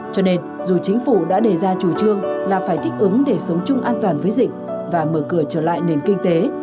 cho nên dù chính phủ đã đề ra chủ trương là phải thích ứng để sống chung an toàn với dịch và mở cửa trở lại nền kinh tế